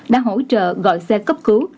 đã hỗ trợ gọi xe cấp cứu